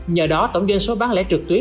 nhờ đó tổng doanh số bán lẻ trực tuyến